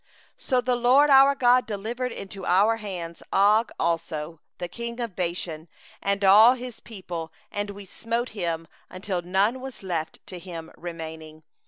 3So the LORD our God delivered into our hand Og also, the king of Bashan, and all his people; and we smote him until none was left to him remaining.